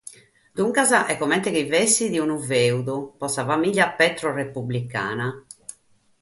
Duncas, est comente chi esseret unu fèudu pro sa famìlia petro-republicana.